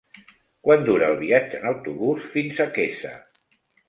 Quant dura el viatge en autobús fins a Quesa?